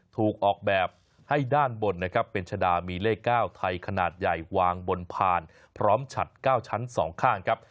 ถูกออกแบบให้ด้านบนนะครับเป็นชะดามีเลข๙ไทยขนาดใหญ่วางบนพานพร้อมฉัด๙ชั้น๒ข้างครับ